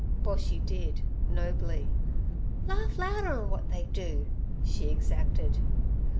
Boshy did nobly. 'Laugh louder 'n w'at they do' she exacted.